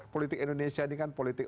politik indonesia dengan politik